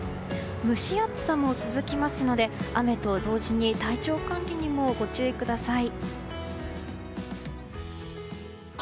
蒸し暑さも続きますので雨と同時に体調管理にもご注意ください。